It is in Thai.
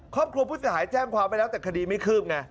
ครอบครัวผู้เสียหายแจ้งความไว้แล้วแต่คดีไม่คืบไง